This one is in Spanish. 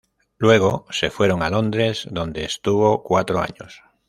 Luego se fueron a Londres, donde estuvo cuatro años.